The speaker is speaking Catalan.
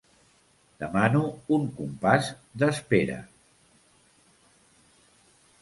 -Demano un compàs d'espera…